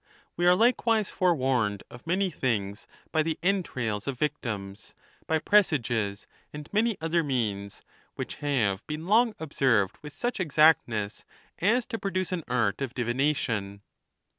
We are like wise forewarned of many things by the entrails of victihis, by presages, and many other means, which have been long observed with such exactness as to produce an art of divi nation.